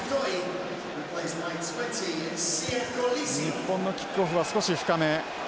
日本のキックオフは少し深め。